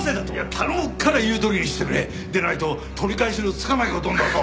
頼むから言うとおりにしてくれ！でないと取り返しのつかない事になるぞ。